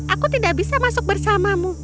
aku tidak bisa masuk bersamamu